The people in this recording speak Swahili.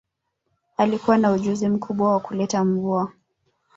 Alikuwa na ujuzi mkubwa wa kuleta mvua